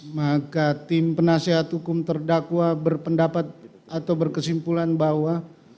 maka tim penasehat hukum terdakwa berpendapat atau berkesimpulan bahwa